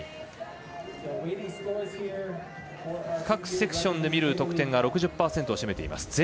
各セクションでみる得点が６０％を占めています。